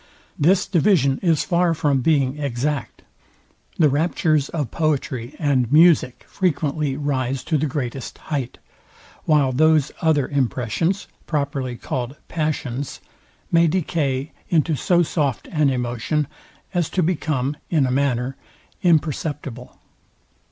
This division is far from being exact. The raptures of poetry and music frequently rise to the greatest height; while those other impressions, properly called PASSIONS, may decay into so soft an emotion, as to become, in a manner, imperceptible.